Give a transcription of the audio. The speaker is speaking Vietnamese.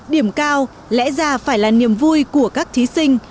điểm cao lẽ ra phải là niềm vui của các thí sinh